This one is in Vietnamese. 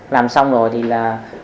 làm xong rồi thì là